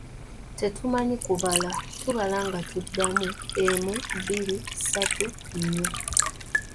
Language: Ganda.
Tetumanyi kubala, tubala nga tuddamu emu, bbiri, ssatu, nnya.